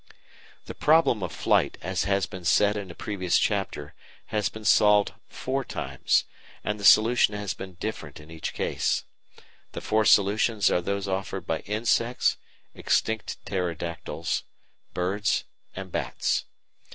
The problem of flight, as has been said in a previous chapter, has been solved four times, and the solution has been different in each case. The four solutions are those offered by insects, extinct Pterodactyls, birds, and bats.